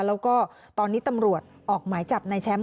แล้วก็ตอนนี้ตำรวจออกหมายจับในแชมป์